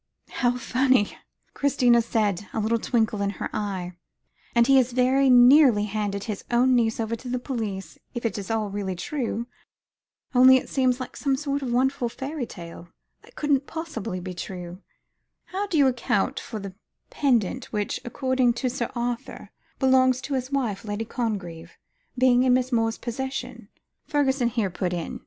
"How funny," Christina said, a little twinkle in her eyes; "and he very nearly handed his own niece over to the police if it is all really true. Only it seems like some sort of wonderful fairy tale, that couldn't possibly be true." "How do you account for the pendant which, according to Sir Arthur, belongs to his wife, Lady Congreve, being in Miss Moore's possession," Fergusson here put in.